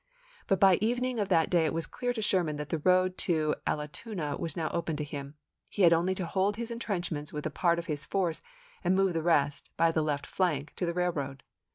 But by evening of that day it was clear to Sherman that the road to Allatoona was now open to himj he had only to hold his SHERMAN'S CAMPAIGN TO THE CHATTAHOOCHEE 19 intrenchments with a part of his force and move chap.i. the rest, by the left flank, to the railroad.